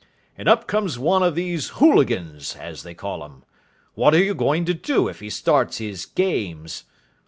"And up comes one of these hooligans, as they call 'em. What are you going to do if he starts his games?